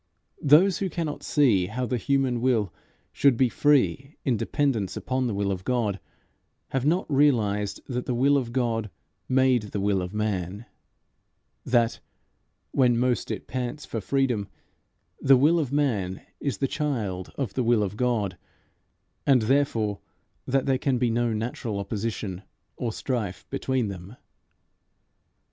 Those who cannot see how the human will should be free in dependence upon the will of God, have not realized that the will of God made the will of man; that, when most it pants for freedom, the will of man is the child of the will of God, and therefore that there can be no natural opposition or strife between them.